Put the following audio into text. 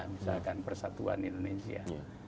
misalkan persatuan indonesia